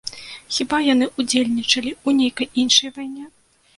Хіба яны ўдзельнічалі ў нейкай іншай вайне?